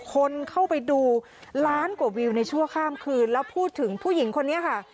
คนเข้าไปดูล้านกว่าวิวในชั่วข้ามคืนแล้วพูดถึงผู้หญิงคนนี้ค่ะ